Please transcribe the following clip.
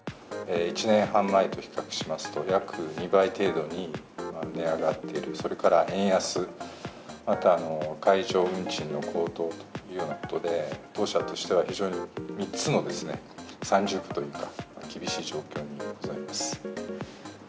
１年半前と比較しますと、約２倍程度に値上がっている、それから円安、また、海上運賃の高騰というようなことで、当社としては非常に３つのですね、三重苦というか、厳しい状況にございます。